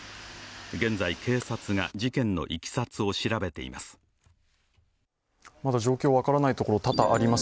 現在、警察が事件のいきさつを調べています。